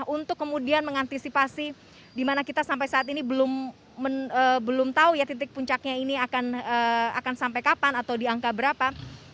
untuk kemudian mengantisipasi di mana kita sampai saat ini belum tahu ya titik puncaknya ini akan sampai kapan atau di angka berapa